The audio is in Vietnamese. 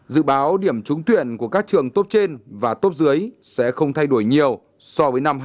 dự báo điểm trúng tuyển của các trường tốt trên và tốt dưới sẽ không thay đổi nhiều so với năm hai nghìn một mươi năm